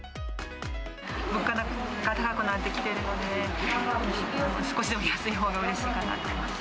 物価が高くなってきているので、少しでも安いほうがうれしいかなと思います。